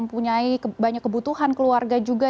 mempunyai banyak kebutuhan keluarga juga